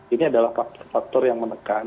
ini adalah faktor faktor yang menekan